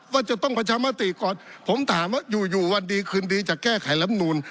ว่าจะต้องประชามติก่อนผมถามว่าอยู่อยู่วันดีคืนดีจะแก้ไขลำนูน